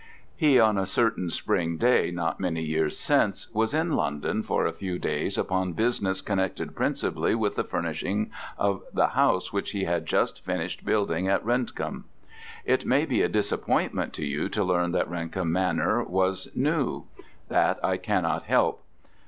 He, on a certain spring day not many years since, was in London for a few days upon business connected principally with the furnishing of the house which he had just finished building at Rendcomb. It may be a disappointment to you to learn that Rendcomb Manor was new; that I cannot help.